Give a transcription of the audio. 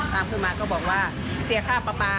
ตามขึ้นมาก็บอกว่าเสียค่าปลาปลา